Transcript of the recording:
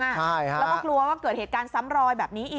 แล้วก็กลัวว่าเกิดเหตุการณ์ซ้ำรอยแบบนี้อีก